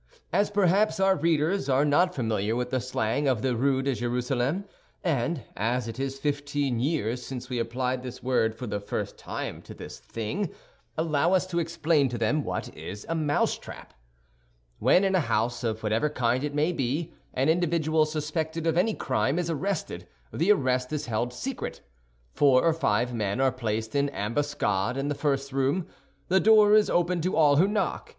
As perhaps our readers are not familiar with the slang of the Rue de Jerusalem, and as it is fifteen years since we applied this word for the first time to this thing, allow us to explain to them what is a mousetrap. When in a house, of whatever kind it may be, an individual suspected of any crime is arrested, the arrest is held secret. Four or five men are placed in ambuscade in the first room. The door is opened to all who knock.